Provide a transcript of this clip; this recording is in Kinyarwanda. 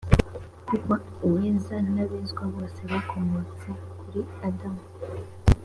kuko uweza n’abezwa bose bakomotse kuri adamu